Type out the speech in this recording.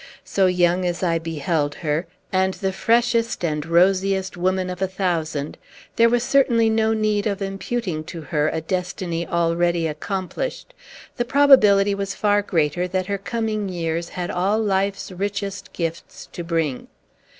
So young as I beheld her, and the freshest and rosiest woman of a thousand, there was certainly no need of imputing to her a destiny already accomplished; the probability was far greater that her coming years had all life's richest gifts to bring.